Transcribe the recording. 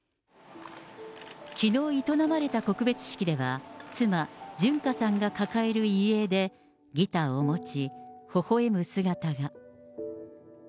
きのう営まれた告別式では、妻、純歌さんが抱える遺影でギターを持ち、ほほえむ姿が。